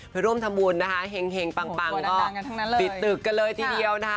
ไปร่วมทำบุญนะคะเห็งปังก็ปิดตึกกันเลยทีเดียวนะคะ